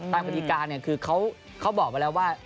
ใต้ข้อดีตาการเนี่ยคือเค้าบอกมาแล้วว่า